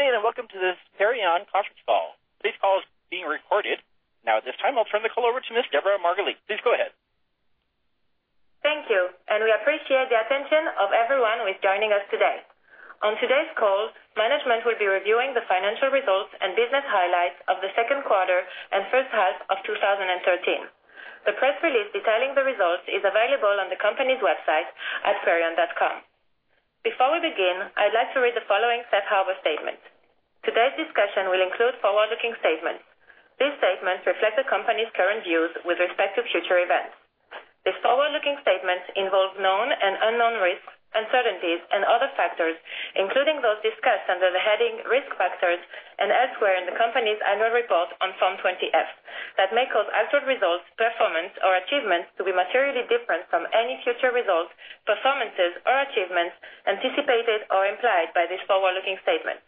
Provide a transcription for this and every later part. Good day, welcome to this Perion conference call. Today's call is being recorded. At this time, I'll turn the call over to Ms. Deborah Margalit. Please go ahead. Thank you, we appreciate the attention of everyone who is joining us today. On today's call, management will be reviewing the financial results and business highlights of the second quarter and first half of 2013. The press release detailing the results is available on the company's website at perion.com. Before we begin, I'd like to read the following safe harbor statement. Today's discussion will include forward-looking statements. These statements reflect the company's current views with respect to future events. These forward-looking statements involve known and unknown risks, uncertainties, and other factors, including those discussed under the heading "Risk Factors" and elsewhere in the company's annual report on Form 20-F, that may cause actual results, performance, or achievements to be materially different from any future results, performances, or achievements anticipated or implied by these forward-looking statements.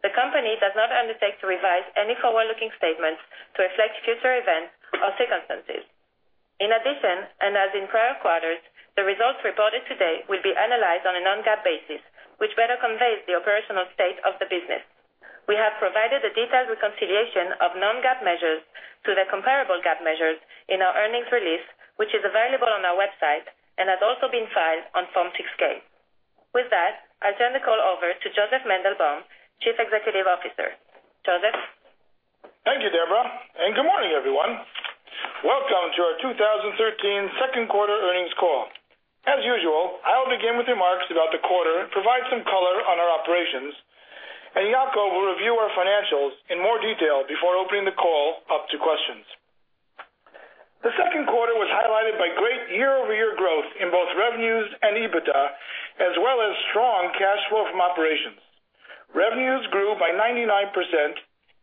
The company does not undertake to revise any forward-looking statements to reflect future events or circumstances. In addition, as in prior quarters, the results reported today will be analyzed on a non-GAAP basis, which better conveys the operational state of the business. We have provided a detailed reconciliation of non-GAAP measures to the comparable GAAP measures in our earnings release, which is available on our website and has also been filed on Form 6-K. With that, I'll turn the call over to Josef Mandelbaum, Chief Executive Officer. Josef? Thank you, Deborah, good morning, everyone. Welcome to our 2013 second quarter earnings call. As usual, I'll begin with remarks about the quarter and provide some color on our operations, Yacov will review our financials in more detail before opening the call up to questions. The second quarter was highlighted by great year-over-year growth in both revenues and EBITDA, as well as strong cash flow from operations. Revenues grew by 99%,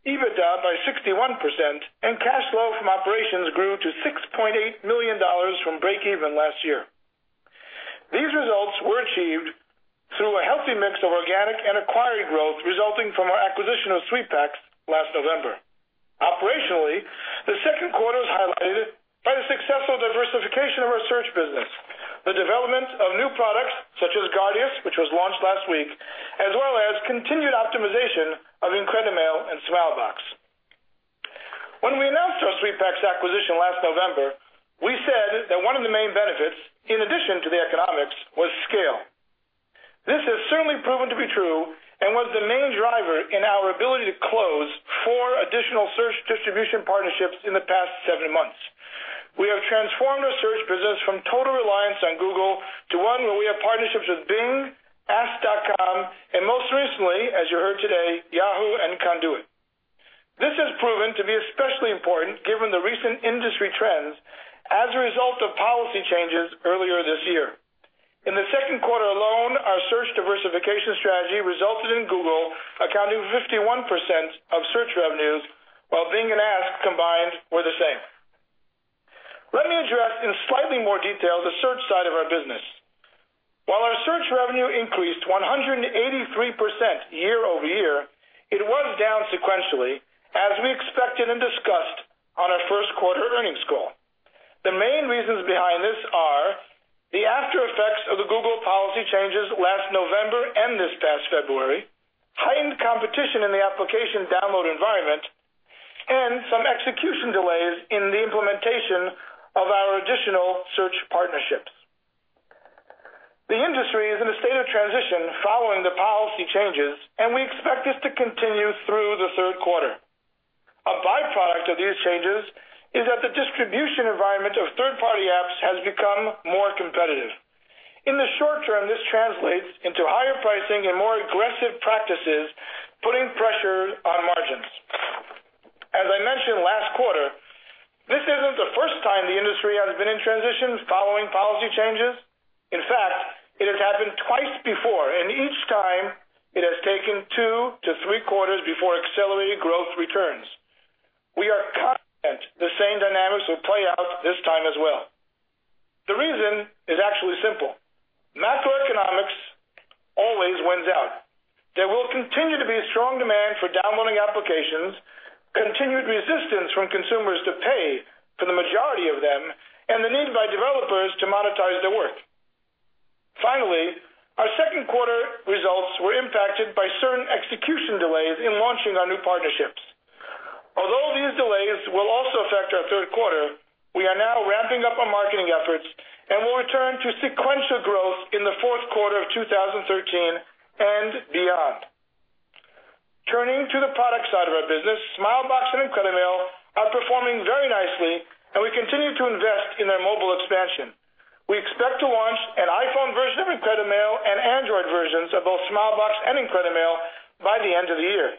EBITDA by 61%, cash flow from operations grew to $6.8 million from breakeven last year. These results were achieved through a healthy mix of organic and acquired growth resulting from our acquisition of SweetPacks last November. Operationally, the second quarter was highlighted by the successful diversification of our search business, the development of new products such as Guardius, which was launched last week, as well as continued optimization of IncrediMail and Smilebox. When we announced our SweetPacks acquisition last November, we said that one of the main benefits, in addition to the economics, was scale. This has certainly proven to be true and was the main driver in our ability to close 4 additional search distribution partnerships in the past seven months. We have transformed our search business from total reliance on Google to one where we have partnerships with Bing, Ask.com, and most recently, as you heard today, Yahoo and Conduit. This has proven to be especially important given the recent industry trends as a result of policy changes earlier this year. In the second quarter alone, our search diversification strategy resulted in Google accounting for 51% of search revenues, while Bing and Ask combined were the same. Let me address in slightly more detail the search side of our business. While our search revenue increased 183% year-over-year, it was down sequentially, as we expected and discussed on our first quarter earnings call. The main reasons behind this are the aftereffects of the Google policy changes last November and this past February, heightened competition in the application download environment, and some execution delays in the implementation of our additional search partnerships. The industry is in a state of transition following the policy changes, and we expect this to continue through the third quarter. A byproduct of these changes is that the distribution environment of third-party apps has become more competitive. In the short term, this translates into higher pricing and more aggressive practices, putting pressure on margins. As I mentioned last quarter, this isn't the first time the industry has been in transition following policy changes. In fact, it has happened twice before, and each time it has taken two to three quarters before accelerated growth returns. We are confident the same dynamics will play out this time as well. The reason is actually simple. Macroeconomics always wins out. There will continue to be a strong demand for downloading applications, continued resistance from consumers to pay for the majority of them, and the need by developers to monetize their work. Finally, our second quarter results were impacted by certain execution delays in launching our new partnerships. Although these delays will also affect our third quarter, we are now ramping up our marketing efforts and will return to sequential growth in the fourth quarter of 2013 and beyond. Turning to the product side of our business, Smilebox and IncrediMail are performing very nicely, and we continue to invest in their mobile expansion. We expect to launch an iPhone version of IncrediMail and Android versions of both Smilebox and IncrediMail by the end of the year.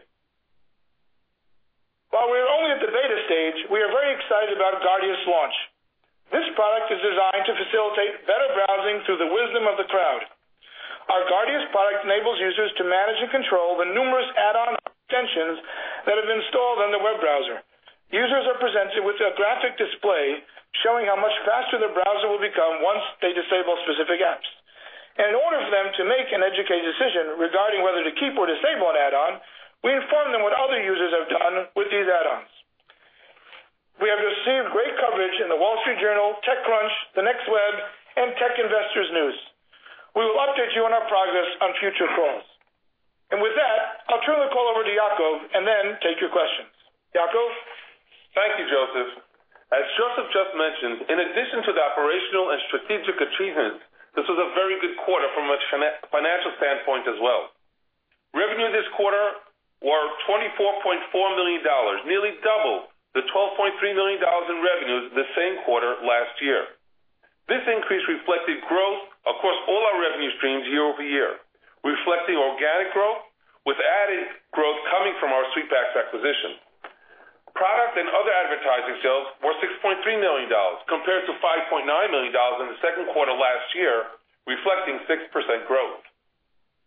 While we're only at the beta stage, we are very excited about Guardius' launch. This product is designed to facilitate better browsing through the wisdom of the crowd. Our Guardius product enables users to manage and control the numerous add-on extensions that have been installed on their web browser. Users are presented with a graphic display showing how much faster their browser will become once they disable specific apps. In order for them to make an educated decision regarding whether to keep or disable an add-on, we inform them what other users have done with these add-ons. TechCrunch, The Next Web, and Tech Investors News. We will update you on our progress on future calls. With that, I'll turn the call over to Yacov and then take your questions. Yacov? Thank you, Josef. As Josef just mentioned, in addition to the operational and strategic achievements, this was a very good quarter from a financial standpoint as well. Revenue this quarter was $24.4 million, nearly double the $12.3 million in revenue the same quarter last year. This increase reflected growth across all our revenue streams year-over-year, reflecting organic growth, with added growth coming from our SweetPacks's acquisition. Product and other advertising sales were $6.3 million, compared to $5.9 million in the second quarter last year, reflecting 6% growth.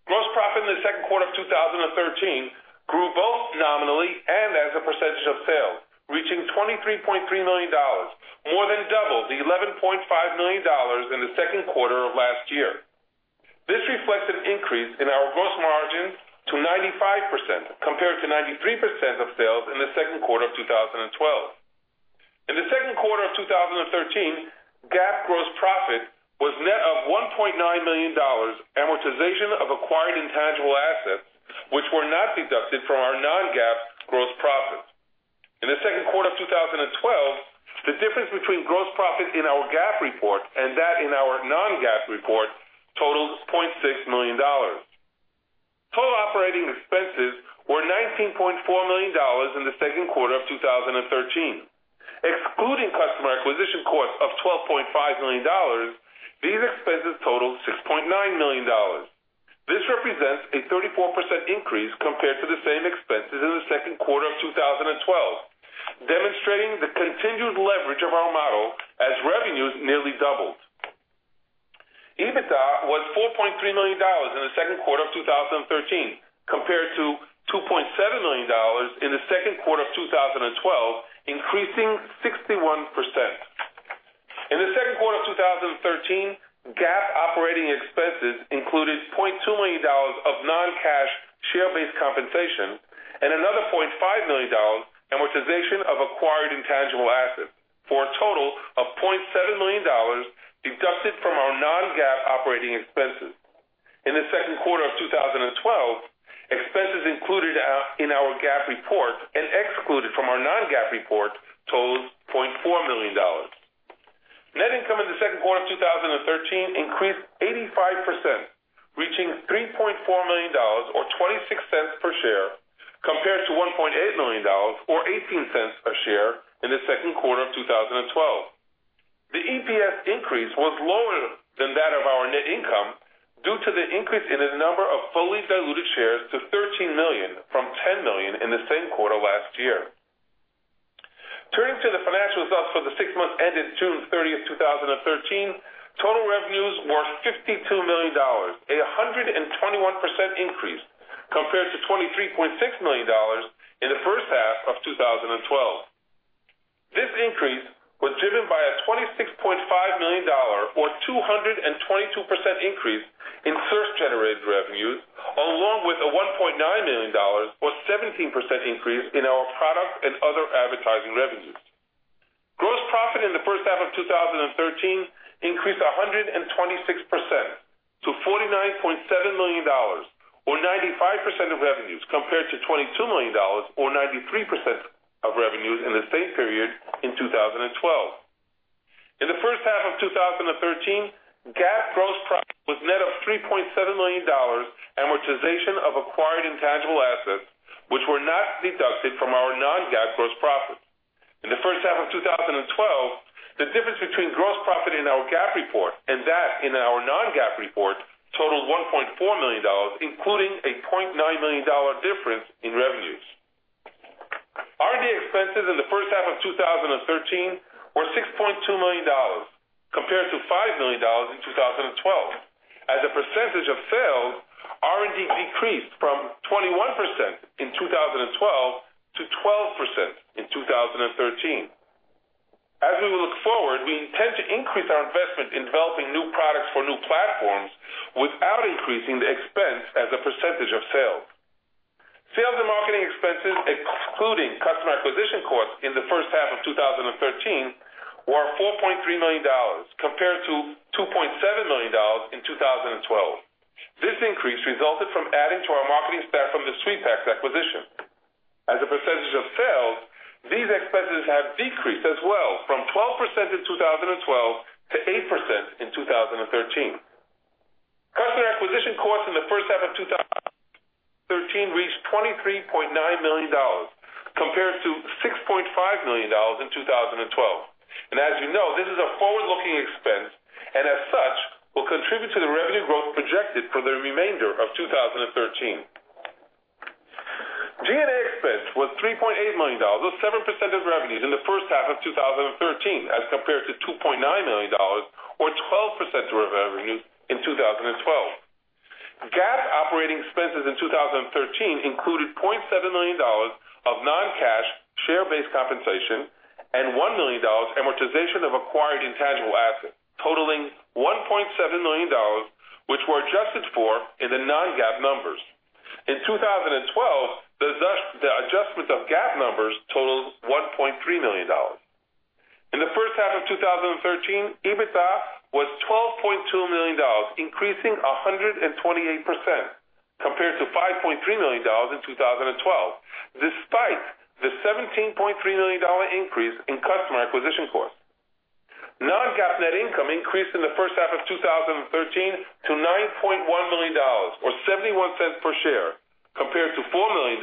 Gross profit in the second quarter of 2013 grew both nominally and as a percentage of sales, reaching $23.3 million, more than double the $11.5 million in the second quarter of last year. This reflects an increase in our gross margins to 95%, compared to 93% of sales in the second quarter of 2012. In the second quarter of 2013, GAAP gross profit was net of $1.9 million, amortization of acquired intangible assets, which were not deducted from our non-GAAP gross profit. In the second quarter of 2012, the difference between gross profit in our GAAP report and that in our non-GAAP report totaled $0.6 million. Total operating expenses were $19.4 million in the second quarter of 2013. Excluding customer acquisition costs of $12.5 million, these expenses totaled $6.9 million. This represents a 34% increase compared to the same expenses in the second quarter of 2012, demonstrating the continued leverage of our model as revenues nearly doubled. EBITDA was $4.3 million in the second quarter of 2013, compared to $2.7 million in the second quarter of 2012, increasing 61%. In the second quarter of 2013, GAAP operating expenses included $0.2 million of non-cash share-based compensation and another $0.5 million amortization of acquired intangible assets for a total of $0.7 million deducted from our non-GAAP operating expenses. In the second quarter of 2012, expenses included in our GAAP report and excluded from our non-GAAP report totaled $0.4 million. Net income in the second quarter of 2013 increased 85%, reaching $3.4 million, or $0.26 per share, compared to $1.8 million or $0.18 a share in the second quarter of 2012. The EPS increase was lower than that of our net income due to the increase in the number of fully diluted shares to 13 million from 10 million in the same quarter last year. Turning to the financial results for the six months ended June 30th, 2013, total revenues were $52 million, a 121% increase compared to $23.6 million in the first half of 2012. This increase was driven by a $26.5 million, or 222% increase in search-generated revenues, along with a $1.9 million, or 17% increase in our product and other advertising revenues. Gross profit in the first half of 2013 increased 126% to $49.7 million, or 95% of revenues, compared to $22 million or 93% of revenues in the same period in 2012. In the first half of 2013, GAAP gross profit was net of $3.7 million, amortization of acquired intangible assets, which were not deducted from our non-GAAP gross profit. In the first half of 2012, the difference between gross profit in our GAAP report and that in our non-GAAP report totaled $1.4 million, including a $0.9 million difference in revenues. R&D expenses in the first half of 2013 were $6.2 million, compared to $5 million in 2012. As a percentage of sales, R&D decreased from 21% in 2012 to 12% in 2013. As we look forward, we intend to increase our investment in developing new products for new platforms without increasing the expense as a percentage of sales. Sales and marketing expenses, excluding customer acquisition costs in the first half of 2013, were $4.3 million, compared to $2.7 million in 2012. This increase resulted from adding to our marketing staff from the SweetPacks acquisition. As a percentage of sales, these expenses have decreased as well from 12% in 2012 to 8% in 2013. Customer acquisition costs in the first half of 2013 reached $23.9 million, compared to $6.5 million in 2012. As you know, this is a forward-looking expense and as such, will contribute to the revenue growth projected for the remainder of 2013. G&A expense was $3.8 million, or 7% of revenues in the first half of 2013, as compared to $2.9 million or 12% of revenues in 2012. GAAP operating expenses in 2013 included $0.7 million of non-cash share-based compensation and $1 million amortization of acquired intangible, totaling $1.7 million, which were adjusted for in the non-GAAP numbers. In 2012, the adjustment of GAAP numbers totals $1.3 million. In the first half of 2013, EBITDA was $12.2 million, increasing 128% compared to $5.3 million in 2012, despite the $17.3 million increase in customer acquisition costs. Non-GAAP net income increased in the first half of 2013 to $9.1 million, or $0.71 per share, compared to $4 million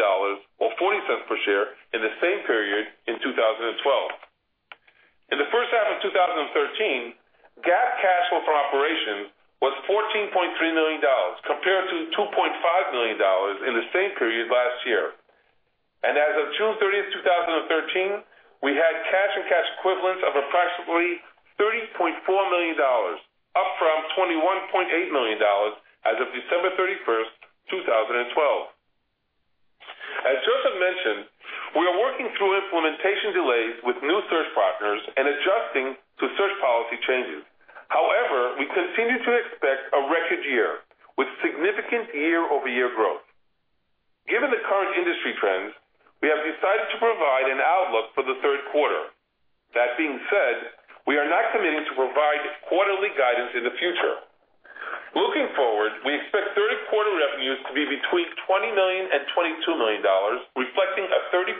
or $0.40 per share in the same period in 2012. In the first half of 2013, GAAP cash flow from operations was $14.3 million, compared to $2.5 million in the same period last year. As of June 30th, 2013, we had cash and cash equivalents of approximately $30.4 million, up from $21.8 million as of December 31st, 2012. As Josef mentioned, we are working through implementation delays with new search partners and adjusting to search policy changes. However, we continue to expect a record year with significant year-over-year growth. Given the current industry trends, we have decided to provide an outlook for the third quarter. That being said, we are not committing to provide quarterly guidance in the future. Looking forward, we expect third quarter revenues to be between $20 million and $22 million, reflecting a 30%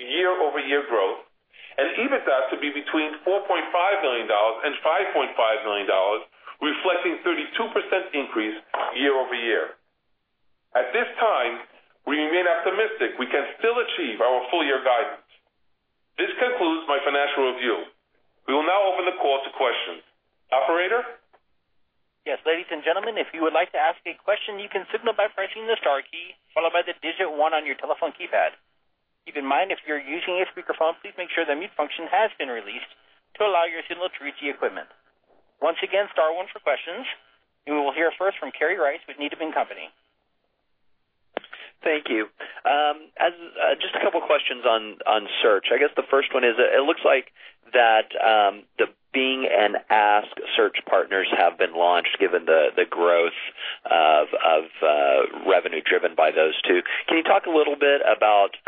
year-over-year growth, and EBITDA to be between $4.5 million and $5.5 million, reflecting 32% increase year-over-year. At this time, we remain optimistic we can still achieve our full-year guidance. This concludes my financial review. We will now open the call to questions. Operator? Ladies and gentlemen, if you would like to ask a question, you can signal by pressing the star key followed by the digit 1 on your telephone keypad. Keep in mind, if you're using a speakerphone, please make sure the mute function has been released to allow your signal to reach the equipment. Once again, star 1 for questions. We will hear first from Kerry Rice with Needham & Company. Thank you. Just a couple of questions on search. I guess the first one is, it looks like that the Bing and Ask search partners have been launched given the growth of revenue driven by those two. Can you talk a little bit about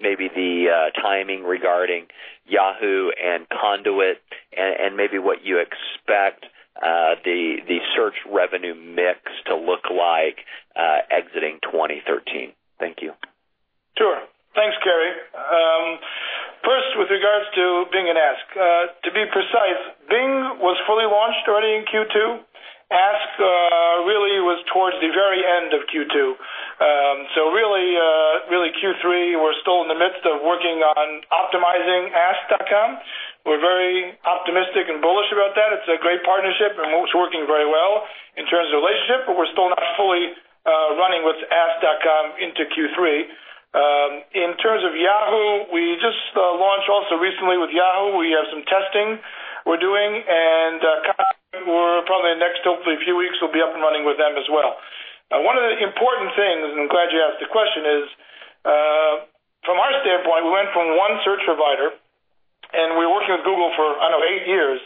maybe the timing regarding Yahoo and Conduit and maybe what you expect the search revenue mix to look like exiting 2013? Thank you. Thanks, Kerry. With regards to Bing and Ask. To be precise, Bing was fully launched already in Q2. Ask really was towards the very end of Q2. Really Q3, we're still in the midst of working on optimizing ask.com. We're very optimistic and bullish about that. It's a great partnership and it's working very well in terms of relationship, but we're still not fully running with ask.com into Q3. In terms of Yahoo, we just launched also recently with Yahoo. We have some testing we're doing and probably in the next, hopefully, few weeks, we'll be up and running with them as well. One of the important things, and I'm glad you asked the question, is from our standpoint, we went from one search provider, and we were working with Google for, I don't know, eight years.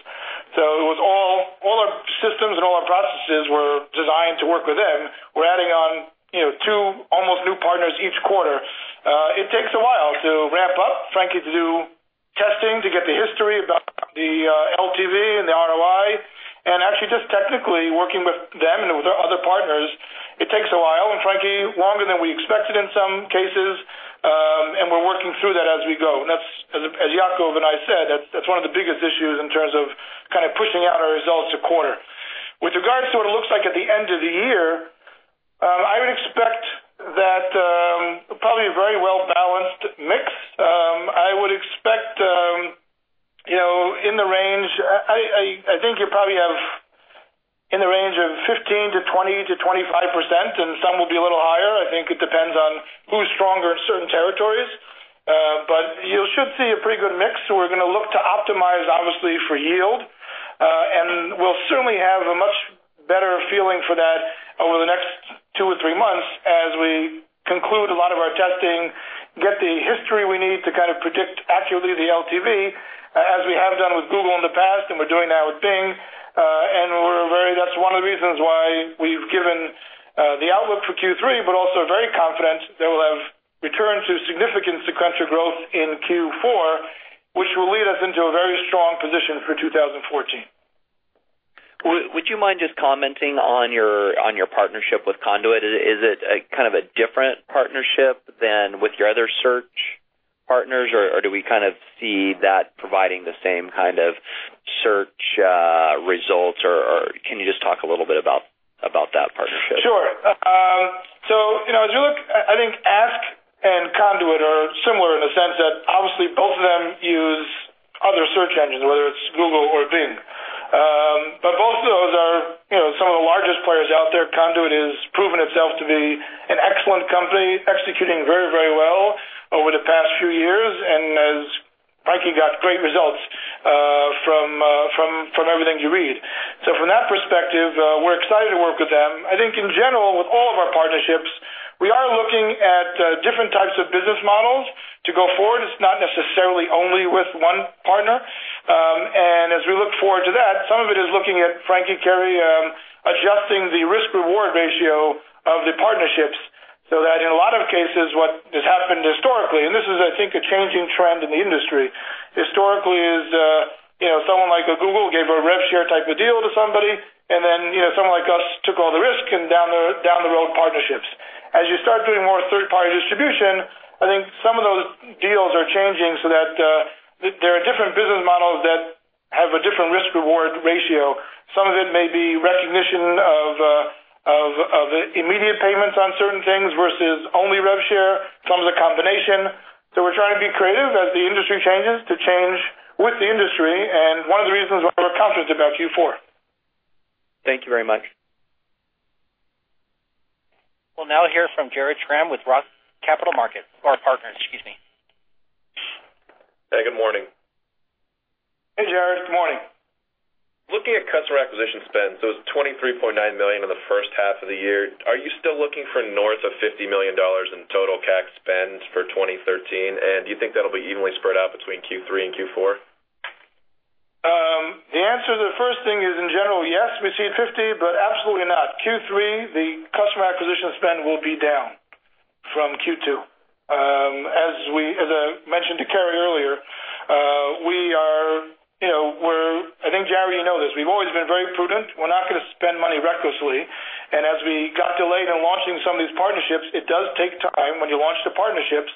All our systems and all our processes were designed to work with them. We're adding on two almost new partners each quarter. It takes a while to ramp up, frankly, to do testing, to get the history about the LTV and the ROI, and actually just technically working with them and with our other partners. It takes a while, and frankly, longer than we expected in some cases, and we're working through that as we go. As Yacov and I said, that's one of the biggest issues in terms of pushing out our results a quarter. With regards to what it looks like at the end of the year, I would expect that probably a very well-balanced mix. I think you probably have in the range of 15%-20%-25%, and some will be a little higher. I think it depends on who's stronger in certain territories. You should see a pretty good mix. We're going to look to optimize, obviously, for yield. We'll certainly have a much better feeling for that over the next two or three months as we conclude a lot of our testing, get the history we need to kind of predict accurately the LTV, as we have done with Google in the past, and we're doing now with Bing. That's one of the reasons why we've given the outlook for Q3, but also very confident that we'll have returned to significant sequential growth in Q4, which will lead us into a very strong position for 2014. Would you mind just commenting on your partnership with Conduit? Is it a kind of a different partnership than with your other search partners, or do we kind of see that providing the same kind of search results, or can you just talk a little bit about that partnership? Sure. As you look, I think Ask and Conduit are similar in the sense that obviously both of them use other search engines, whether it's Google or Bing. Both of those are some of the largest players out there. Conduit has proven itself to be an excellent company, executing very well over the past few years, and has frankly got great results from everything you read. From that perspective, we're excited to work with them. I think in general, with all of our partnerships Looking at different types of business models to go forward. It's not necessarily only with one partner. As we look forward to that, some of it is looking at, frankly and Kerry, adjusting the risk-reward ratio of the partnerships, so that in a lot of cases, what has happened historically, and this is, I think, a changing trend in the industry. Historically, someone like a Google gave a rev share type of deal to somebody, and then someone like us took all the risk in down the road partnerships. As you start doing more third-party distribution, I think some of those deals are changing so that there are different business models that have a different risk-reward ratio. Some of it may be recognition of immediate payments on certain things versus only rev share, some is a combination. We're trying to be creative as the industry changes to change with the industry, and one of the reasons why we're confident about Q4. Thank you very much. We'll now hear from Jared Schramm with Roth Capital Partners. Hey, good morning. Hey, Jared. Good morning. Looking at customer acquisition spend, it's $23.9 million in the first half of the year, are you still looking for north of $50 million in total CAC spend for 2013? Do you think that'll be evenly spread out between Q3 and Q4? The answer to the first thing is, in general, yes, we see $50 million, absolutely not. Q3, the customer acquisition spend will be down from Q2. As I mentioned to Kerry earlier, I think, Jared, you know this. We've always been very prudent. We're not going to spend money recklessly. As we got delayed in launching some of these partnerships, it does take time when you launch the partnerships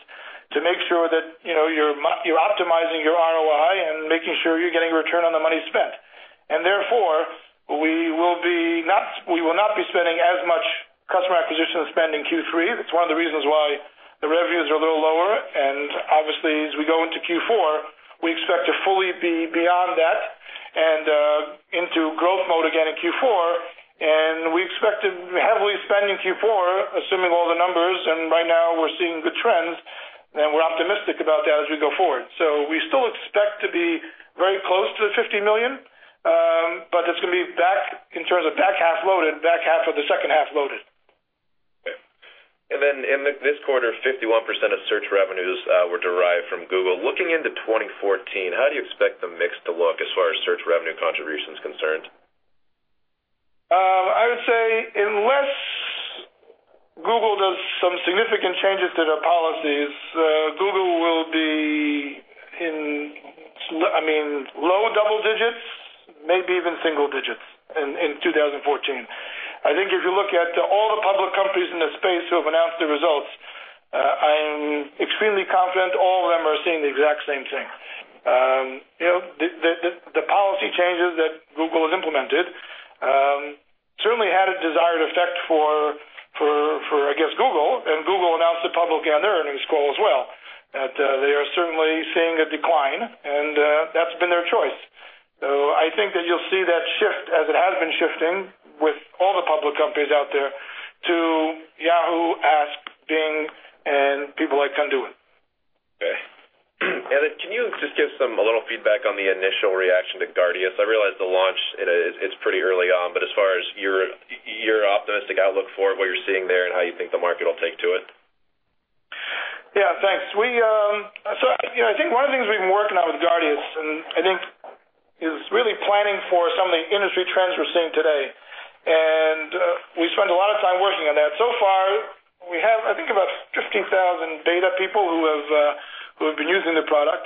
to make sure that you're optimizing your ROI and making sure you're getting a return on the money spent. Therefore, we will not be spending as much customer acquisition spend in Q3. That's one of the reasons why the revenues are a little lower. Obviously, as we go into Q4, we expect to fully be beyond that and into growth mode again in Q4. We expected heavily spend in Q4, assuming all the numbers, right now we're seeing good trends, we're optimistic about that as we go forward. We still expect to be very close to the $50 million, it's going to be back in terms of back half of the second half loaded. In this quarter, 51% of search revenues were derived from Google. Looking into 2014, how do you expect the mix to look as far as search revenue contribution is concerned? I would say unless Google does some significant changes to their policies, Google will be in low double digits, maybe even single digits in 2014. I think if you look at all the public companies in the space who have announced the results, I'm extremely confident all of them are seeing the exact same thing. The policy changes that Google has implemented certainly had a desired effect for, I guess Google, and Google announced it publicly on their earnings call as well, that they are certainly seeing a decline, and that's been their choice. I think that you'll see that shift as it has been shifting with all the public companies out there to Yahoo, Ask, Bing, and people like Conduit. Can you just give a little feedback on the initial reaction to Guardius? I realize the launch, it's pretty early on, but as far as your optimistic outlook for what you're seeing there and how you think the market will take to it. Yeah, thanks. I think one of the things we've been working on with Guardius, and I think is really planning for some of the industry trends we're seeing today. We spend a lot of time working on that. So far, we have, I think, about 15,000 beta people who have been using the product.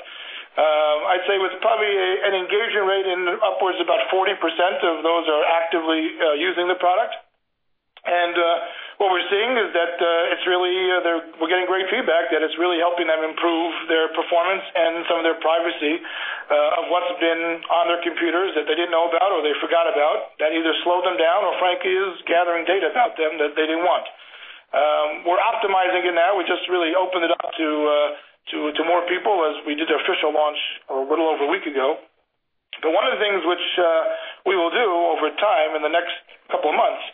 I'd say with probably an engagement rate in upwards about 40% of those are actively using the product. What we're seeing is that we're getting great feedback that it's really helping them improve their performance and some of their privacy of what's been on their computers that they didn't know about or they forgot about, that either slowed them down or frankly, is gathering data about them that they didn't want. We're optimizing it now. We just really opened it up to more people as we did the official launch a little over a week ago. One of the things which we will do over time in the next couple of months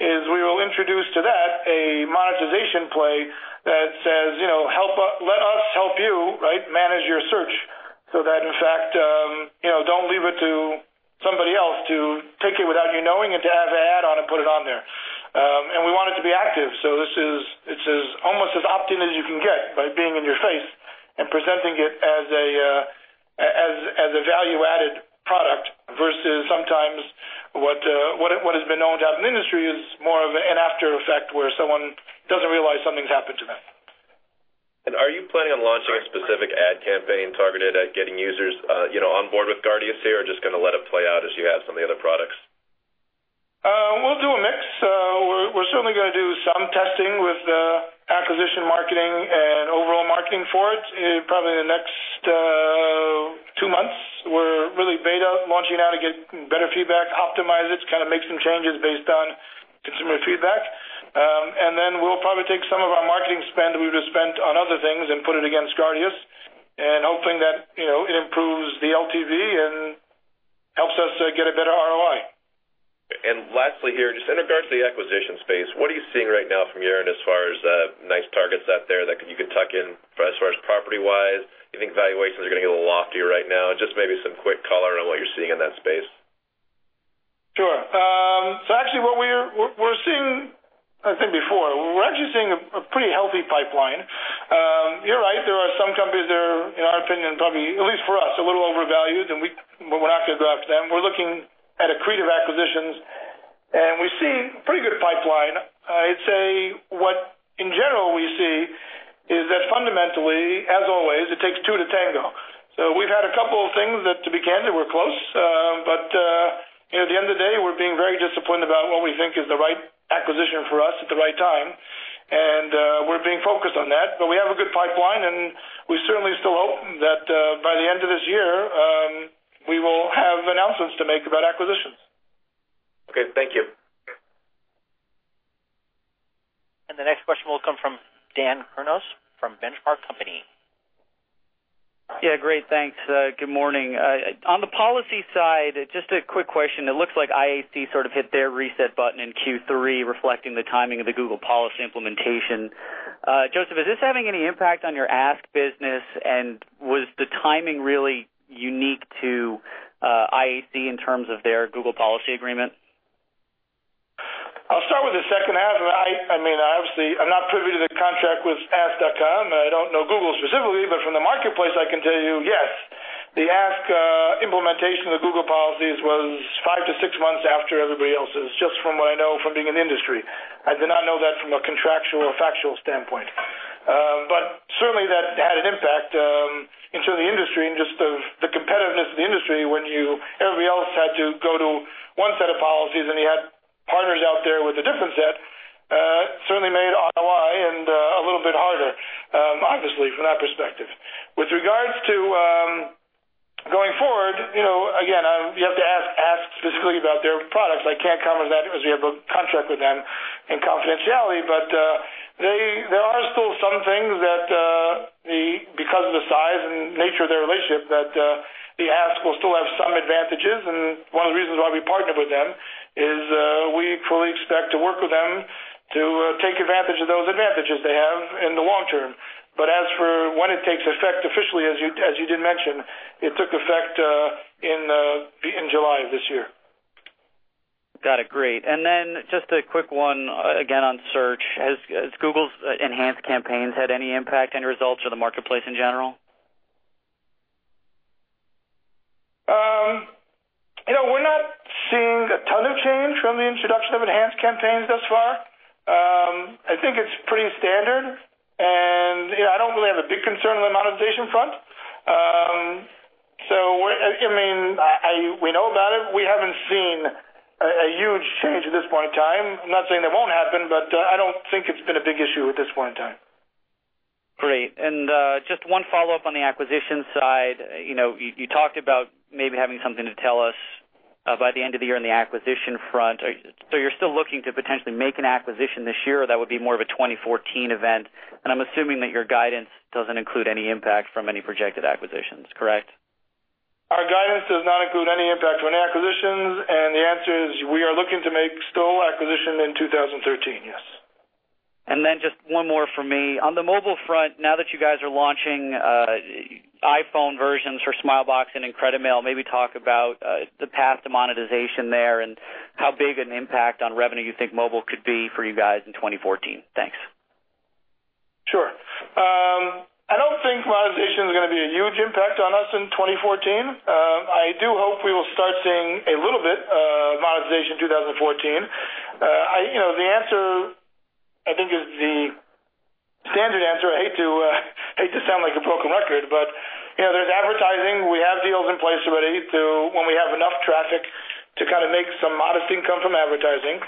is we will introduce to that a monetization play that says, let us help you manage your search so that, in fact, don't leave it to somebody else to take it without you knowing and to have an add-on and put it on there. We want it to be active. It's as almost as opt-in as you can get by being in your face and presenting it as a value-added product versus sometimes what has been known to happen in the industry is more of an after effect where someone doesn't realize something's happened to them. Are you planning on launching a specific ad campaign targeted at getting users on board with Guardius here, or just going to let it play out as you have some of the other products? We'll do a mix. We're certainly going to do some testing with acquisition marketing and overall marketing for it in probably the next two months. We're really beta launching now to get better feedback, optimize it, kind of make some changes based on consumer feedback. We'll probably take some of our marketing spend we would have spent on other things and put it against Guardius and hoping that it improves the LTV and helps us get a better ROI. Lastly here, just in regards to the acquisition space, what are you seeing right now from your end as far as nice targets out there that you could tuck in as far as property-wise? Do you think valuations are going to get a little loftier right now? Just maybe some quick color on what you're seeing in that space. Actually, what we're seeing, I think before, we're actually seeing a pretty healthy pipeline. You're right. There are some companies that are, in our opinion, probably, at least for us, a little overvalued, and we're not going to go after them. We're looking at accretive acquisitions, and we've seen a pretty good pipeline. I'd say what in general we see is that fundamentally, as always, it takes two to tango. We've had a couple of things that to begin, they were close. At the end of the day, we're being very disciplined about what we think is the right acquisition for us at the right time, and we're being focused on that. We have a good pipeline, and we certainly still hope that by the end of this year, we will have announcements to make about acquisitions. Okay. Thank you. The next question will come from Daniel Kurnos of The Benchmark Company. Yeah, great. Thanks. Good morning. On the policy side, just a quick question. It looks like IAC sort of hit their reset button in Q3, reflecting the timing of the Google policy implementation. Josef, is this having any impact on your Ask business, and was the timing really unique to IAC in terms of their Google policy agreement? I'll start with the second half. Obviously, I'm not privy to the contract with Ask.com. I don't know Google specifically, but from the marketplace, I can tell you, yes, the Ask implementation of the Google policies was five to six months after everybody else's, just from what I know from being in the industry. I do not know that from a contractual or factual standpoint. Certainly, that had an impact in terms of the industry and just the competitiveness of the industry when everybody else had to go to one set of policies, and you had partners out there with a different set. Certainly made ROI a little bit harder, obviously, from that perspective. With regards to going forward, again, you have to ask Ask specifically about their products. I can't comment on that because we have a contract with them and confidentiality, but there are still some things that because of the size and nature of their relationship, that the Ask will still have some advantages. One of the reasons why we partnered with them is we fully expect to work with them to take advantage of those advantages they have in the long term. As for when it takes effect officially, as you did mention, it took effect in July of this year. Got it. Great. Then just a quick one again on search. Has Google's enhanced campaigns had any impact, end results or the marketplace in general? We're not seeing a ton of change from the introduction of enhanced campaigns thus far. I think it's pretty standard, and I don't really have a big concern on the monetization front. We know about it. We haven't seen a huge change at this point in time. I'm not saying it won't happen, I don't think it's been a big issue at this point in time. Just one follow-up on the acquisition side. You talked about maybe having something to tell us by the end of the year on the acquisition front. You're still looking to potentially make an acquisition this year, or that would be more of a 2014 event. I'm assuming that your guidance doesn't include any impact from any projected acquisitions, correct? Our guidance does not include any impact on acquisitions. The answer is we are looking to make still acquisition in 2013. Yes. Just one more from me. On the mobile front, now that you guys are launching iPhone versions for Smilebox and IncrediMail, maybe talk about the path to monetization there and how big an impact on revenue you think mobile could be for you guys in 2014. Thanks. Sure. I don't think monetization is going to be a huge impact on us in 2014. I do hope we will start seeing a little bit of monetization in 2014. The answer, I think, is the standard answer. I hate to sound like a broken record. There's advertising. We have deals in place already to when we have enough traffic to kind of make some modest income from advertising.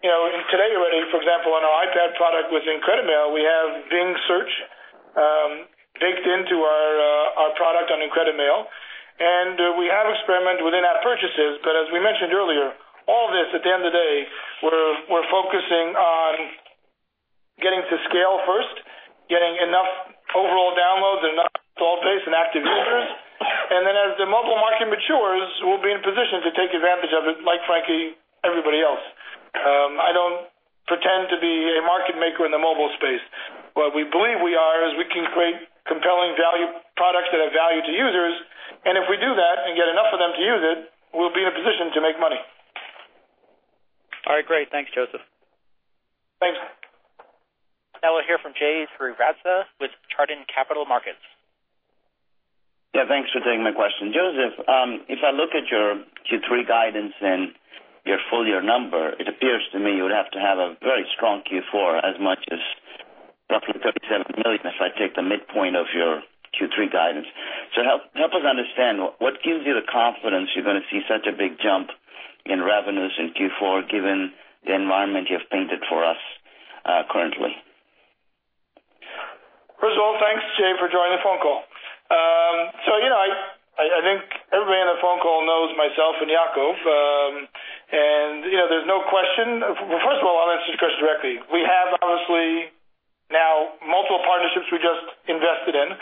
Today already, for example, on our iPad product with IncrediMail, we have Bing search baked into our product on IncrediMail. We have experimented with in-app purchases. As we mentioned earlier, all this at the end of the day, we're focusing on getting to scale first, getting enough overall downloads, enough install base, and active users. As the mobile market matures, we'll be in a position to take advantage of it, like, frankly, everybody else. I don't pretend to be a market maker in the mobile space. What we believe we are is we can create compelling products that have value to users, and if we do that and get enough of them to use it, we'll be in a position to make money. All right. Great. Thanks, Josef. Thanks. Now we'll hear from Jay Srivatsa with Chardan Capital Markets. Yeah, thanks for taking my question. Josef, if I look at your Q3 guidance and your full year number, it appears to me you would have to have a very strong Q4, as much as roughly $37 million if I take the midpoint of your Q3 guidance. Help us understand, what gives you the confidence you're going to see such a big jump in revenues in Q4, given the environment you've painted for us currently? First of all, thanks, Jay, for joining the phone call. I think everybody on the phone call knows myself and Yacov. There's no question. First of all, I'll answer the question directly. We have, obviously, now multiple partnerships we just invested in.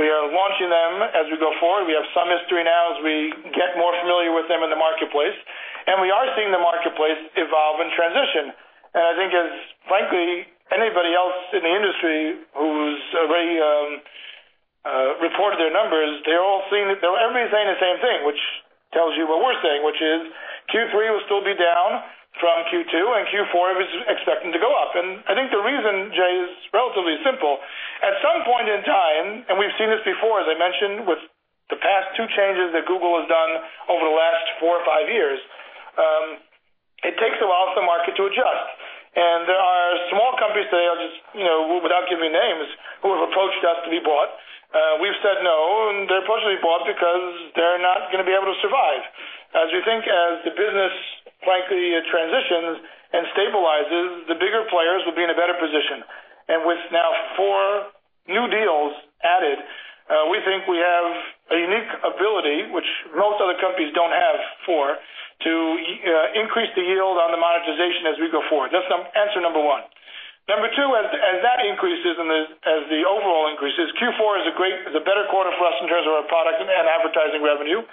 We are launching them as we go forward. We have some history now as we get more familiar with them in the marketplace, and we are seeing the marketplace evolve and transition. I think as, frankly, anybody else in the industry reported their numbers, everybody's saying the same thing, which tells you what we're saying, which is Q3 will still be down from Q2, and Q4 is expecting to go up. I think the reason, Jay, is relatively simple. At some point in time, we've seen this before, as I mentioned, with the past two changes that Google has done over the last four or five years, it takes a while for the market to adjust. There are small companies today, without giving names, who have approached us to be bought. We've said no, and they're approaching to be bought because they're not going to be able to survive. As we think, as the business, frankly, transitions and stabilizes, the bigger players will be in a better position. With now four new deals added, we think we have a unique ability, which most other companies don't have, four, to increase the yield on the monetization as we go forward. That's answer number one. Number two, as that increases and as the overall increases, Q4 is a better quarter for us in terms of our product and advertising revenue,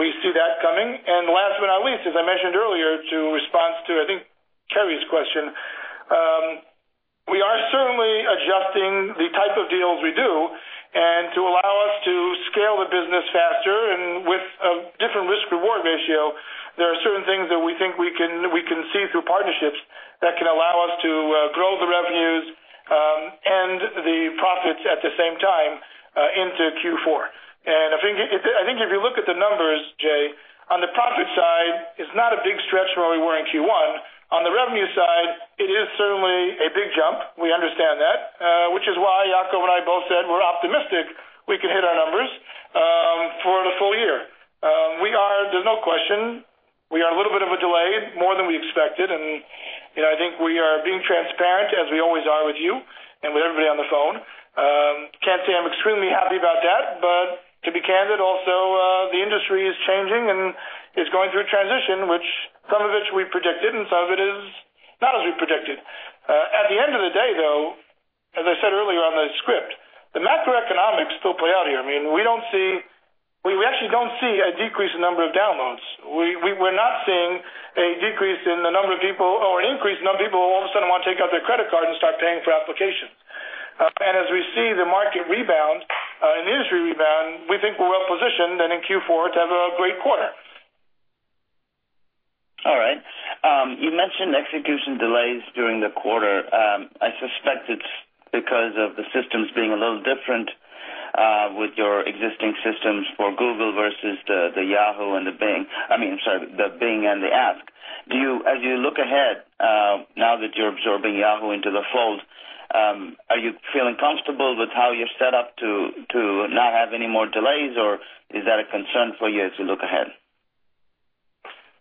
we see that coming. Last but not least, as I mentioned earlier, to respond to, I think, Kerry's question, we are certainly adjusting the type of deals we do, and to allow us to scale the business faster and with a different risk-reward ratio. There are certain things that we think we can see through partnerships that can allow us to grow the revenues and the profits at the same time into Q4. I think if you look at the numbers, Jay, on the profit side, it's not a big stretch from where we were in Q1. On the revenue side, it is certainly a big jump. We understand that, which is why Yacov and I both said we're optimistic we can hit our numbers for the full year. There's no question we are a little bit of a delay, more than we expected, I think we are being transparent, as we always are with you and with everybody on the phone. Can't say I'm extremely happy about that, to be candid, also, the industry is changing, it's going through a transition, which some of it we predicted, some of it is not as we predicted. At the end of the day, though, as I said earlier on the script, the macroeconomics still play out here. We actually don't see a decrease in number of downloads. We're not seeing a decrease in the number of people or an increase in the number of people who all of a sudden want to take out their credit card and start paying for applications. As we see the market rebound and the industry rebound, we think we're well-positioned then in Q4 to have a great quarter. All right. You mentioned execution delays during the quarter. I suspect it's because of the systems being a little different with your existing systems for Google versus the Yahoo and the Bing. I mean, sorry, the Bing and the Ask. As you look ahead, now that you're absorbing Yahoo into the fold, are you feeling comfortable with how you're set up to not have any more delays, or is that a concern for you as we look ahead?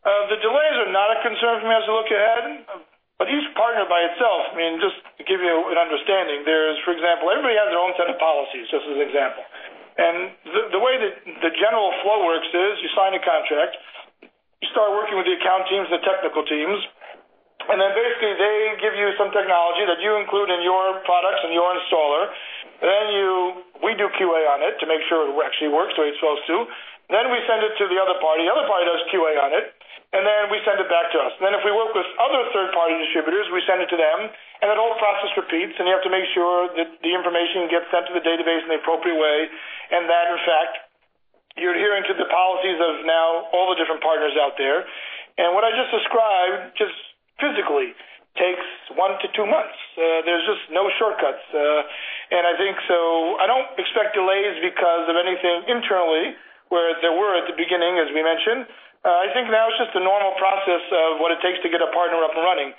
The delays are not a concern for me as we look ahead. Each partner by itself, just to give you an understanding, for example, everybody has their own set of policies, just as an example. The way that the general flow works is you sign a contract, you start working with the account teams and the technical teams, and then basically they give you some technology that you include in your products and your installer. We do QA on it to make sure it actually works the way it's supposed to. We send it to the other party. The other party does QA on it, and then we send it back to us. If we work with other third-party distributors, we send it to them, and that whole process repeats, and they have to make sure that the information gets sent to the database in the appropriate way and that, in fact, you're adhering to the policies of now all the different partners out there. What I just described, just physically, takes one to two months. There's just no shortcuts. I think so, I don't expect delays because of anything internally, where there were at the beginning, as we mentioned. I think now it's just the normal process of what it takes to get a partner up and running,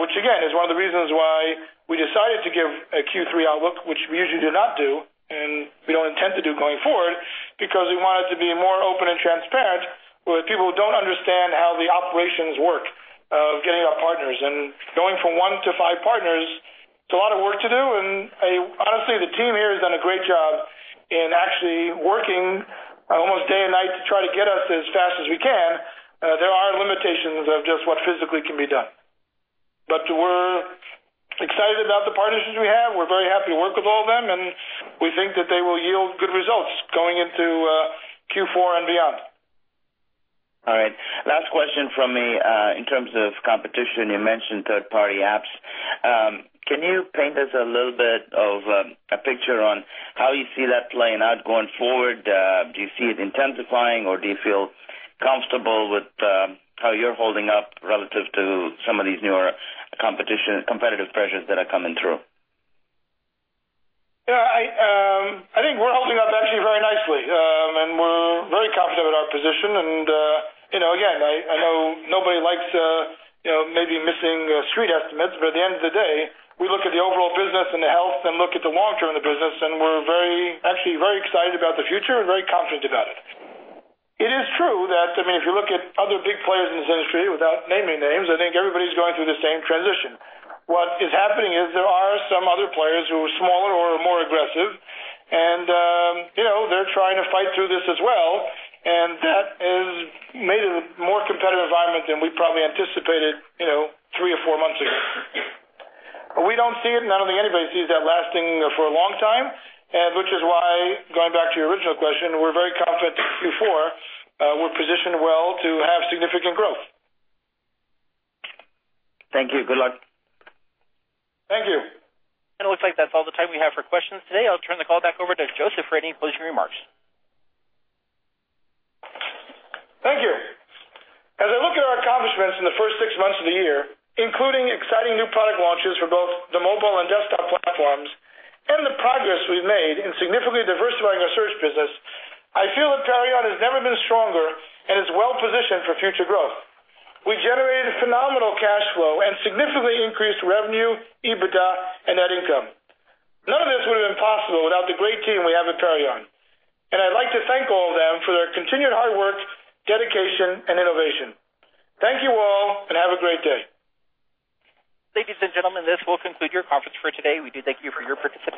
which again, is one of the reasons why we decided to give a Q3 outlook, which we usually do not do, and we don't intend to do going forward, because we wanted to be more open and transparent with people who don't understand how the operations work of getting our partners. Going from one to five partners, it's a lot of work to do, and honestly, the team here has done a great job in actually working almost day and night to try to get us as fast as we can. There are limitations of just what physically can be done. We're excited about the partnerships we have. We're very happy to work with all of them. We think that they will yield good results going into Q4 and beyond. All right. Last question from me. In terms of competition, you mentioned third-party apps. Can you paint us a little bit of a picture on how you see that playing out going forward? Do you see it intensifying, or do you feel comfortable with how you're holding up relative to some of these newer competitive pressures that are coming through? I think we're holding up actually very nicely. We're very confident in our position. Again, I know nobody likes maybe missing street estimates. At the end of the day, we look at the overall business and the health and look at the long term of the business. We're actually very excited about the future and very confident about it. It is true that, if you look at other big players in this industry, without naming names, I think everybody's going through the same transition. What is happening is there are some other players who are smaller or more aggressive. They're trying to fight through this as well, and that has made it a more competitive environment than we probably anticipated three or four months ago. We don't see it, I don't think anybody sees that lasting for a long time, which is why, going back to your original question, we're very confident in Q4. We're positioned well to have significant growth. Thank you. Good luck. Thank you. It looks like that's all the time we have for questions today. I'll turn the call back over to Josef for any closing remarks. Thank you. As I look at our accomplishments in the first six months of the year, including exciting new product launches for both the mobile and desktop platforms and the progress we've made in significantly diversifying our search business, I feel that Perion has never been stronger and is well-positioned for future growth. We generated phenomenal cash flow and significantly increased revenue, EBITDA, and net income. None of this would have been possible without the great team we have at Perion, and I'd like to thank all of them for their continued hard work, dedication, and innovation. Thank you all. Have a great day. Ladies and gentlemen, this will conclude your conference for today. We do thank you for your participation.